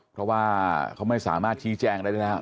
เพราะว่าเขาไม่สามารถชี้แจ้งได้นะครับ